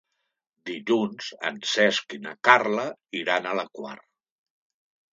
Dilluns en Cesc i na Carla iran a la Quar.